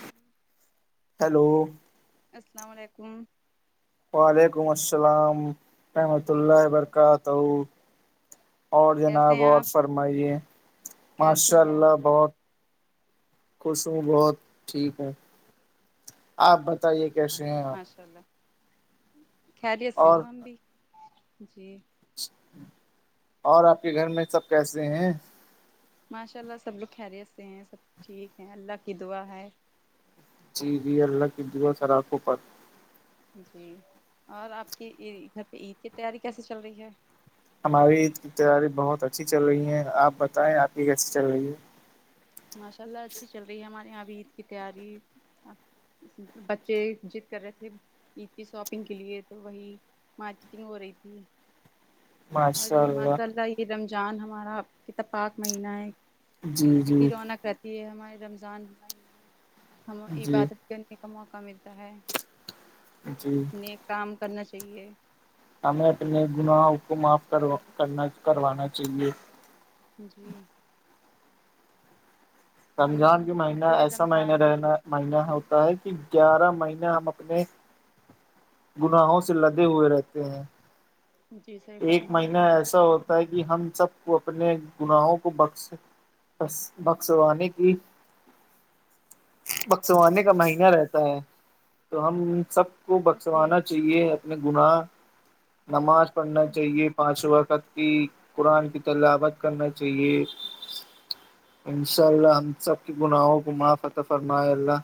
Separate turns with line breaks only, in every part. ہوں [unintelligible]
ہیلو
السلام علیکم
وعلیکم السلام رحمۃ اللہ و ببرکاتہ اور
کیسے
جناب
ہیں
اور
آپ
فرمائیے
کیسے
ماشاء
ہیں آپ
اللہ بہت خوش ہوں بہت ٹھیک ہوں آپ بتائیے کیسے ہیں آپ
مشاء اللہ خہریے س ہ
اور
ہمم بھی جی
اور آپ کے گھر میں سب کیسے ہیں
ماشاء اللہ سب لوگ خیریت سے ہیں سب ٹھیک ہیں اللہ کی دعا ہے
جی جی اللہ کی دع خرااکوں پ
جی اور آپ کیھر پہ عید کی تیاری کیسے چل رہی ہے
ہماری عید کی تیاری بہت اچھی چل رہی ہیں آپ بتائیں آپ کی کیسی چل رہی ہے
ماشاء اللہ اچھی چل رہی ہے ہمارے یہاں اب عید کی تیاری بچے جضد کر رہے تھے عید کی شاپنگ کے لیے تو وہی مارکیٹنگ ہو رہی تھی
[unintelligible] [inaudible]
اور یہ ماشاء اللہ یہ رمضان ہماراپ اتفاک مہینہ ہے
جی جی
کنی رونق رہتی ہے ہمارے رمضان ہم
جی
عبادت کرنے کا موقع ملتا ہے
جی
اپنے کام کرنا چاہیے
ہمیں اپنے گناہ کو معاف کر کرنا کروانا چاہیے
جی ہم لوگوں
رمضان
نے
بھی
تو
مہین
پورے
ایسا مہنے
رمضان پہ
رہنا مہین ہوتا ہے کہ گیارہ مہینے ہم اپنے گناہوں سے لدے ہوئے رہتے ہیں
جی صحیح
ایک
فرمایا آپ
مہینہ ایسا ہوتا ہے کہ ہم سب کو اپنے گناہوں کو بخش بس بکسوانے کی بکسوانے کا مہینہ رہتا ہے تو ہم سب کو
نے جی
بخسوانا چاہیے اپنے گناہ نماز پڑھنا چاہیے
جی
پانچ وقت کی قرآن کی تلاوت کرنا چاہیے انشاء اللہ ہم سب کے گناہوں کو مافت فرما اللہ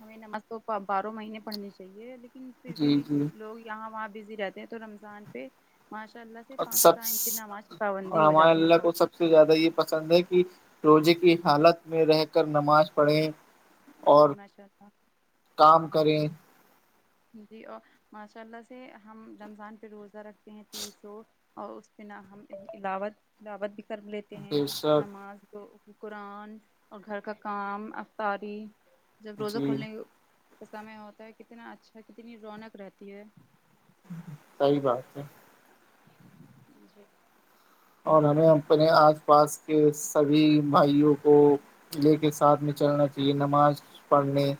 ہمیں نماز کو بارہ مہینے پڑھنی چاہیے لیکن پھر بھی
جی جی
لوگ ہاں وہاں بزی رہتے ہیں تو رمضان پہ ماشاء اللہ سے
اور
پانچوں ٹائم پھر نماز کی پابندی ہو جاتی ہیں اس وقت
س سے زیادہ یہ پسند ہے کہ روزے کی حالت میں رہ کر نماز پڑھیں
جی
اور
ماشاء اللہ
کام کریں
جی اور ماشاء اللہ سے ہم رمضان پہ روزہ رکھتے ہیں تیس رو اور اس پہ نہ ہم علاوت تلاوت بھی کر لیتے ہیں
بے شک
نماز کو ب قرآن اور گھر کا کام افطاری جب روزہ
جی
کھلنے کا سمے ہوتا ہے کتنا اچھا کتنی رونق رہتی ہے
سحی بات ہے
جھے [unintelligible]
اور ہمیں اپنے آس پاس کے سبھی بھائیوں کو لے کے ساتھ میں چلنا چاہیے نماز پڑھنے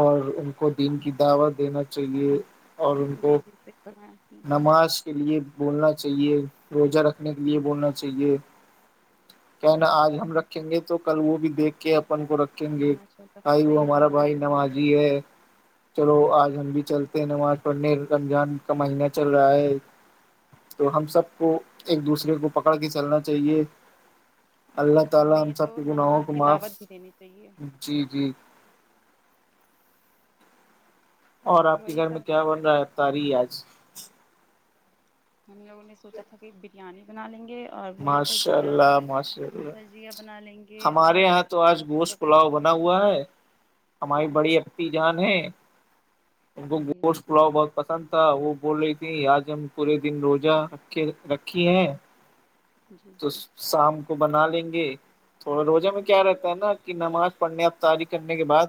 اور ان کو دین کی دعوت دینا چاہیے اور ان کو
جی جی صحیح فرمایا آپ نے
نماز کے لیے بولنا چاہیے روزہ رکھنے یہ بولنا چاہیے کیا نا آج ہم رکھیں گے تو کل وہ بھی دیکھ کے اپن کو رکھ ریں
جی
گے
ماشاء اللہ
بائی وہ
صحیح
ہمارا
فرمایا
بھائی نمازی ہے چلو آج ہم بھی چلتے ہیں نماز پڑھنے رمضان کا مہینہ چل رہا ہے تو ہم سب کو ایک دوسرے کو پکڑ کے چلنا چاہیے
آپ جی ہمیں یہ تو نماز کی دعوت بھی دینی چاہیے
[unintelligible] اور آپ کے
وہی
گھر میں
سب
کیا بن رہا ہے ابطاری آج
ہم لوگوں نے سوچا تھا کہ بریانی بنا لیں گے اور وہی
ماشاء
بھجیا
اللہ ماشاء اللہ
بھجیا بنا لیں گے
ہمارے
اور
یہاں تو آج
سینڈوچ
گوشت
وغیرہ
پلاؤ بنا ہوا ہے ہماری
جی
بڑی اپی جان ہے ان
جی
کو گوشت
جی
پلاؤ بہت پسند تھا وہ بول رہی تھی آج ہم پورے دن روزہ رکھے رکھی ہیں
جی
تو شام کو بنا لیں گے تو روزہ میں کیا رہتا ہے نا کہ نماز پڑھنے اب تاری کرنے کے بعد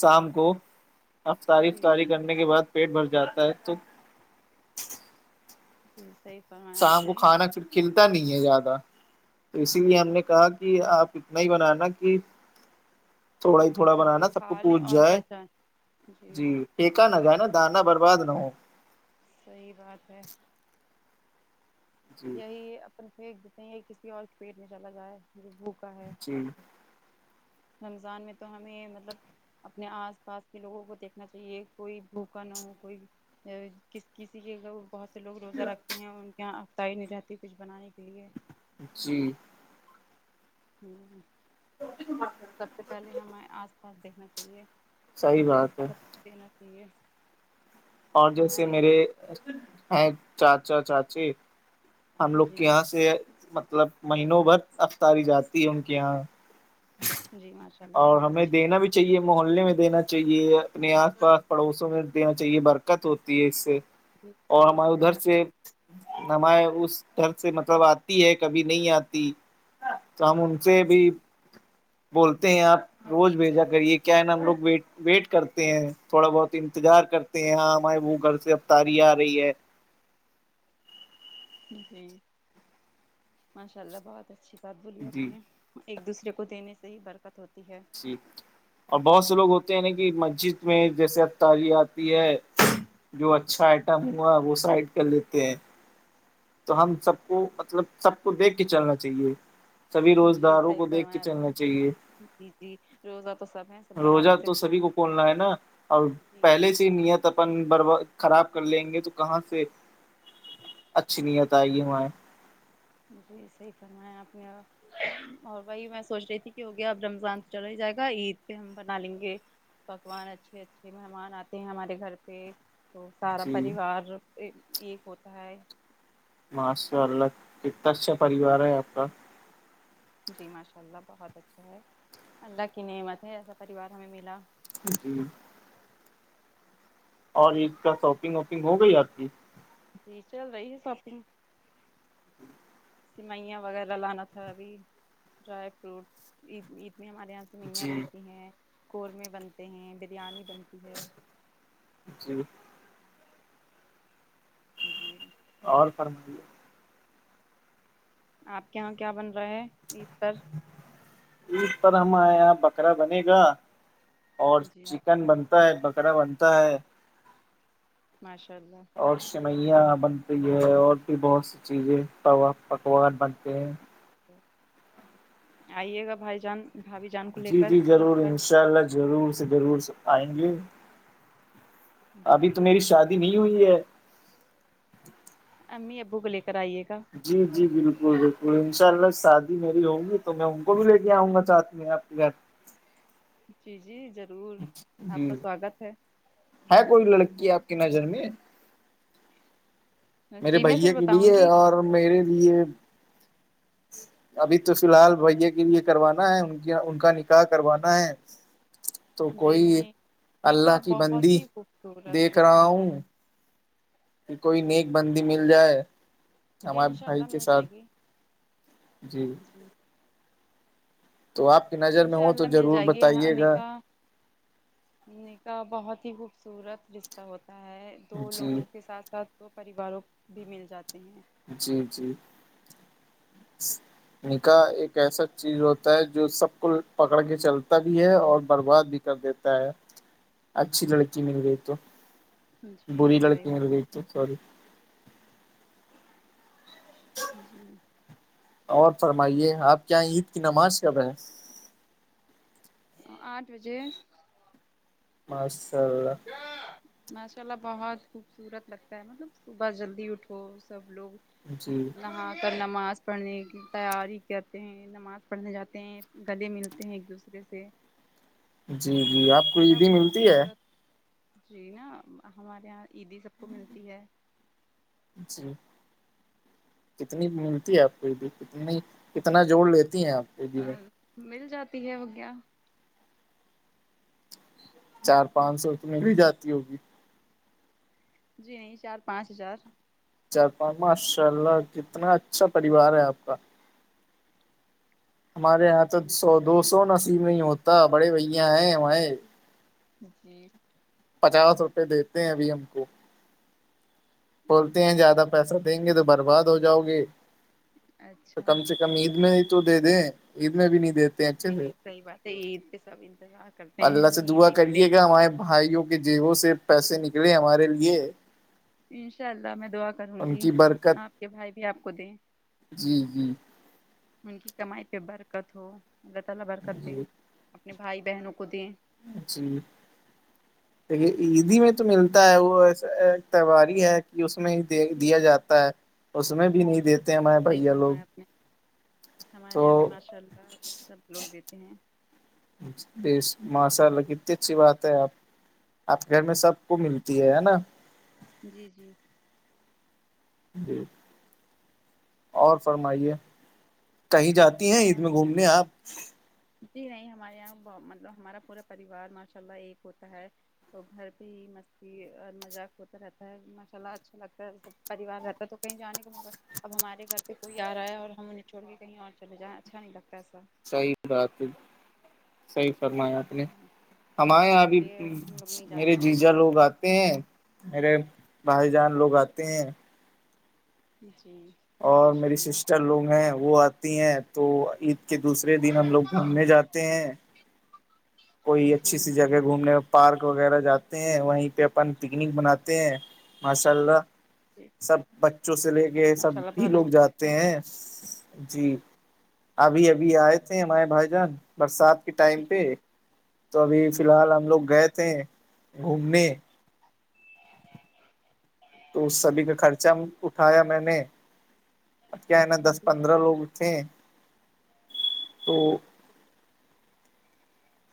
شام کو افطاری
جی
افتاری کرنے کے بعد پیٹ بھر جاتا ہے تو
جی سی پ
شام کو کھانا پھر کھلتا نہیں ہے زیادہ تو اسی لیے ہم نے کہا کہ آپ اتنا ہی بن نا کہ تھوڑا ہی تھوڑا بنا
لوگ
نا سب
کھا
کو
لیں
پوچھ
اور
جائے
بچا
جی پا نہ گائے نا دانا برباد نہ ہو
صحی بات ہے
جی
یہی اپن پھینک دیتے ہیں یہی کسی اور کے پیٹ میں چلا گا ہے جو بھوکا ہے
جی
رمضان میں تو ہمیں مطلب اپنے آس پاس کے لوگوں کو دیکھنا چاہیے کوئی بھوکا نہ ہو کوئی کس کسی کے بہت سے لوگ روزہ رکھتے ہیں ان کے یہاں افتائی نہیں رہتی کچھ بنانے کے لیے
جی
ہوں
تو
سب سے پہلے ہمیں آس پاس دیکھنا چاہیے
صحیح بات ہے
دین چاہیے
اور جیسے
ہمارے
میرے ہیں چاچا چاچی ہم لوگ
جی
کے یہاں سے مطلب مہینوں بھر افتاری جاتی ہے ان کے یہاں
جی ماشاء اللہ
اور
بہت
ہمیں
اچھی
دینا بھی
بات ہے
چاہیے محلے میں دینا چاہیے اپنے آس پاس پڑوسوں میں دینا چاہیے برکت ہوتی ہے اس سے
جی
اور
صحیح
ہمارے ادھر
فرمایا آپ
سے
نے
نمائ اس گھر سے مطلب آتی ہے کبھی نہیں آتی تو ہم ان سے بھی بولتے ہیں آپ روز بھیجا کریے کیا ہے نا ہم لوگ وٹ ویٹ کرتے ہیں تھوڑا بہت انتظار کرتے ہیں آپ وہ گھر سے اب تاری آ رہی ہے
جی ماشاء اللہ بہت اچھی بات بولی آپ
جی
نے ایک دوسرے کو دینے سے ہی برکت ہوتی ہے
اور بہت سے لوگ ہوتے ہیں نا کہ مسجد میں جیسے اب تاری آتی ہے جو اچھا آئٹم ہوا وہ سائڈ کر لیتے ہیں تو ہم سب کو مطلب سب کو دیکھ کے چلنا چاہیے سبھی
جی
روزداروں
صحیح
کو دیکھ کے
فرمایا
چلنا چاہیے
جی جی روزہ تو سم ہے
روزہ تو سبھی کو کھولنا ہے نا اور
جی
پہلے سے نیت اپن برب خراب کر لیں گے تو کہاں سے اچھی نہیں ہوت آئے گی ہمارے
جی صحیح فرمائیں آپ نے اور وہی میں سوچ رہی تھی کہ ہو گیا اب رمضان چلا ہی جائے گا عید پہ ہم بنا لیں گے پکوان اچھے اچھے مہمان آتے ہیں ہمارے گھر پہ تو سارا
جی
پریوار ایک ہوتا ہے
ما سےا اللہ کتاا پریوار ہے آپ کا
جی ماشاء اللہ بہت اچھا ہے اللہ کی نعمت ہے ایسا پریوار ہمیں ملا
جی اور عید کا شاپنگ واپنگ ہو گئی آپ کی
جی چل رہی ہے ساپنگ سوئیاں وغیرہ لانا تھا ابھی ڈرائی فروٹ عید عید میں ہمارے یہاں سمیاں
جی
بنتی ہیں قورمے بنتے ہیں بریانی بنتی ہے
[unintelligible]
[unintelligible]
اور
آپ کے یہاں کیا بن رہا ہے عید پر
عید پر ہمارے یہاں بکرا بنے گا اور
جی
چکن بن تا ہے بکرا بنتا ہے
ماشاء اللہ
اور سویاں بنتی ہے اور بھی بہت سی چیزیں توا پکوان بنتے ہیں
آئیے گا بھائی جان بھابھی جان کو لے
جی
کر
جی
عید
ضرور
پر
انشاء اللہ ضرور سے ضرور آئیں گے ابھی تو
جی
میری شادی نیو ای ہے
امی ابو کو لے کر آئیے گا
جی جی بالکل بالکل انشاء اللہ شادی میری ہوں گی تو میں ان کو بھی لے کے آؤں گا چاہتی [unintelligible]
جی جی ضرور آپ
جی
کا سواگت ہے
ہے کوئی لڑکی آپ کی نظر میں میرے
جی میں
بھیا
پھر
کے لیے
بتاؤں گی
اور میرے لیے ابھی تو فی الحال بھیا کے لیے کروانا ہے ان ان کا نکاح کروانا ہے تو کوئی
جینی نکاح
اللہ کی
بہت
بندی
ہی خوبصورت
دیکھ
رشتہ
رہا
ہے
ہوں کہ کوئی
جی
نیک بندی مل جائے
جی
ہمارے
انشاء
بھائی
اللہ
کے
مل
ساتھ
جائے گی
جی تو آپ کی نظر میں
انشاء
ہو
اللہ
تو
مل
ضرور
جائے گی
بتائیے گا
انیکا ن کاا بہت ہی خوبصورت رشتہ ہوتا ہے دو
جی
لوگوں کے ساتھ ساتھ پریوالو بھی مل جاتے
جی جی نکاح ایک ایسا چیز ہوتا ہے جو سب کو پکڑ کے چلتا بھی ہے اور برباد بھی کر دیتا اچھی لڑکی مل گئی تو
جی
بری
صحیح
لڑکی مل گئی تو [unintelligible]
[inaudible]
اور فرمائیے آپ کے یہاں عید کی نماز کب ہے
اٹھ
مسء اللہ
ماشاء اللہ بہت خوبصورت لگتا ہے مطلب صبح جلدی اٹھو سب لوگ
جی
نہا کر نماز پڑھنے کی تیاری کرتے ہیں نماز پڑھنے جاتے ہیں گلے ملتے ہیں ایک دوسرے سے
جی جی آپ کو
اتنا
عیدی ملتی ہے
خوبصورت جی نا ہمارے یہاں عیدی سب کو ملتی ہے
[unintelligible] کتنی ملتی ہے آپ کو بھی کتنی کتنا جوڑ لیتی ہیں آپ عیدی
ا
میں
مل جاتی ہے وہ کیا
چار پانچ سو تو مل ہی جاتی ہوگی
جی نہیں چار پانچ ہزار
چار پان ماشاء اللہ کتنا اچھا پریوار ہے آپ کا ہمارے یہاں تو سو
جی
دو
جی
سو نصیب نہیں ہوتا بڑے بھیا ہیں وہے
جی
پچاس روپئے دیتے ہیں ابھی ہم کو بولتے ہیں زیادہ پیسہ دیں گے تو برباد ہو جاؤ گے تو
اچھا
کم سے ک کم عید میں تو دے دیں عید میں بھی نہیں دیتے اچھے سے
جی صحیح بات ہے عید پہ سب انتظار کرتے ہیں
اللہ سے
ہمیں
دعا
عیدی ملے
کریے
گی
گا ہمارے بھائیوں کو کہ جیو سے پیسے نکلے ہمارے لیے
انشاء اللہ میں دعا کروں
ان
گی
کی برکت
آپ کے بھائی بھی آپ کو دیں
جی جی
ان کی کمائی پہ برکت ہو اللہ تعالا برکت دیں
جی
اپنے بھائی بہنوں کو دیں
جی دیکھیے عید ہی میں تو ملتا ہے وہسا تہواری ہے اس میں ہی دے
جی
دیا جاتا ہے اس میں بھی نہیں دی
صحیح فرمایا اپ نے
تو
ہمارے ابھی ماشاء اللہ سب لوگ دیتے ہیں
ماشاء اللہ کتنی اچھی بات ہے آپ آپ کے گھر میں سب کو مل تی ہے نا
جی جی
جی اور فرمائیے کہیں جاتی ہیں عید
اور
میں گھومنے آپ
جی نہیں ہمارے یہاں مطلب ہمارا پورا پریوار ماشاء اللہ ایک ہوتا ہے تو گھر پہ ہی مستی اور مذاق ہوتا رہتا ہے ماشاء اللہ اچھا لگتا ہے سب پریوار رہتا تو کہیں جانے کا مگر اب ہمارے گھر پہ کوئی آ رہا ہے اور ہم انہیں چوڑ کے کہیں اور چلے جائیں اچھا نہیں لگتا ایسا
صحیح بات صحیح فرمایاپ نے ہمارے یہاں
اس
ابھی
لیے ہم لوگ نہیں
میرے
جاتے تھے
جیجا لوگ آتے ہیں میرے بھائی جان لوگ آتے ہیں
جی
اور
ماشاء
میری
اللہ
سسٹر لوگ ہیں وہ آتی ہیں تو عید کہ دوسرے دن ہم لوگ گھومنے جاتے ہیں کوئی
جی
اچھی سی جگہ گھومنے پارک وغیرہ جاتے ہیں وہیں پہ اپن پکنک مناتے ہیں ماشاء اللہ
جی
سب بچوں سے لے کے سب
ماشاء اللہ
بھی
بہت
لوگ
اچھی بات
جاتے
ہے
ہیں جی ابھی ابھی آئے تھے ہمارے بھائی جان برسات کے
جی
ٹائم پہ تو ابھی فی الحال ہم لوگ گئے تھے گھومنے
ہاں
تو اس سبھی کا خرچہ اٹھایا میں نے اب کیا ہے نا دس
جی
پندرہ لوگ تھے تو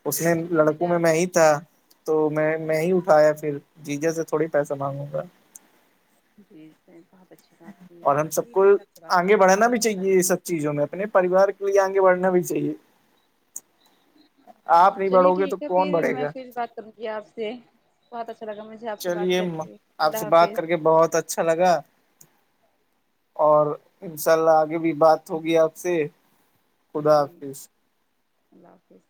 اس نے
چلیے مجھے
لڑکوں میں
آپ
میں ہی تھا تو میں میں ہی اٹھایا پھر جی جے سے تھوڑی پیسہ مانگوں گا
جی سر بہت اچھی بات ت آ
اور
اپ
ہم سب
چلیے
کو
مجھے آپ سے بات کر
آگے بڑھنا
بہت
بھی
اچھا لگ
چاہیے یہ
رہا
سب چیزوں میں اپنے پریوار کے لیے آگے بڑھنا بھی چاہیے آپ نہیں
چلیے
بڑھو گے تو
ٹھیک ہے
کون
پھر
بڑھے
میں
گا
پھر بات کروں یہ آپ سے بہت اچھا لگا مجھے آپ سے بات
چلیے
کر کے
آپ
اللہ
سے بات
حافظ
کر کے بہت اچا اچھا لگا اور ان شاء اللہ آگے بھی بات ہوگی آپ سے خدا
جی
حافظ
اللہ حافظ